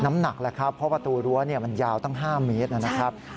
น้ำหนักแล้วครับเพราะประตูรั้วมันยาวตั้ง๕เมตรนะครับ